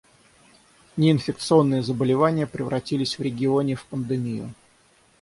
Неинфекционные заболевания превратились в регионе в пандемию.